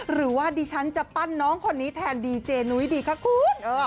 หรือว่าดิฉันจะปั้นน้องคนนี้แทนดีเจนุ้ยดีคะคุณ